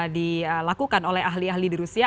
dilakukan oleh ahli ahli di rusia